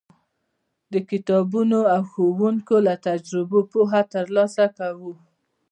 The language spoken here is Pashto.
د کتابونو او ښوونکو له تجربو پوهه ترلاسه کوو.